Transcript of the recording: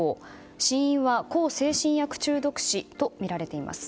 死因は向精神薬中毒死とみられています。